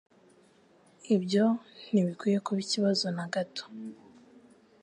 Ibyo ntibikwiye kuba ikibazo na gato